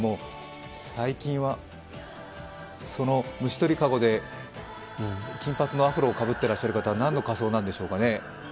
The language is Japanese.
虫取り籠で金髪のアフロをかぶっていらっしゃる方何の仮装なんでしょうかね。